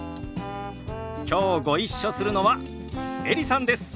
きょうご一緒するのはエリさんです。